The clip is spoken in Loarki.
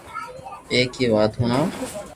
ايڪ ھي وات ھڻاو